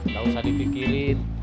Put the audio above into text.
gak usah dipikirin